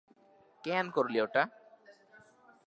কেন করলি ওটা?